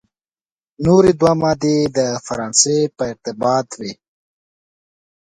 نوري دوې مادې د فرانسې په ارتباط وې.